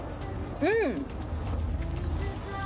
うん！